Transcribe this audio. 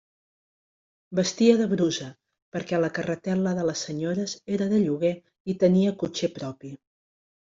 Vestia de brusa, perquè la carretel·la de les senyores era de lloguer i tenia cotxer propi.